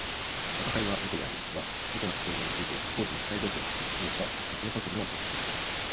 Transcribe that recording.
「吾輩は猫である」は猫の視線を用いて当時の社会情勢を批評した夏目漱石の小説です。